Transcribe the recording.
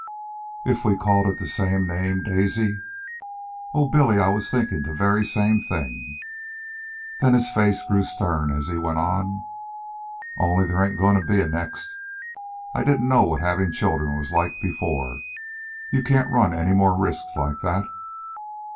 "If we called it the same name, Daisy?" "Oh, Billy! I was thinking the very same thing." Then his face grew stern as he went on. "Only there ain't goin' to be a next. I didn't know what havin' children was like before. You can't run any more risks like that."